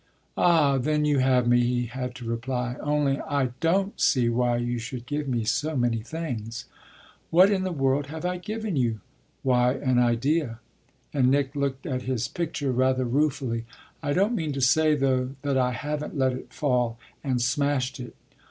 "Ah then you have me," he had to reply. "Only I don't see why you should give me so many things." "What in the world have I given you?" "Why an idea." And Nick looked at his picture rather ruefully. "I don't mean to say though that I haven't let it fall and smashed it."